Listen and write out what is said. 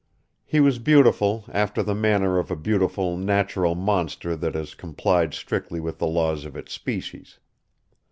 He was beautiful after the manner of a beautiful, natural monster that has complied strictly with the laws of its species.